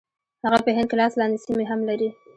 هغه په هند کې لاس لاندې سیمې هم لري.